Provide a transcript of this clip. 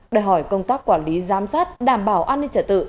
đòi hỏi công tác quản lý giám sát đảm bảo an ninh trả tự